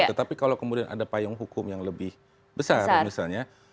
tetapi kalau kemudian ada payung hukum yang lebih besar misalnya